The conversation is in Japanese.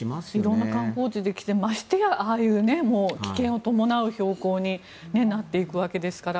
色んな観光地でましてや、ああいう危険を伴う標高になっていくわけですから。